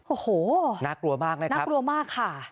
โอ้โหนักกลัวมากนะครับนักกลัวมากค่ะ